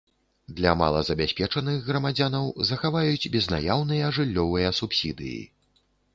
Для малазабяспечаных грамадзянаў захаваюць безнаяўныя жыллёвыя субсідыі.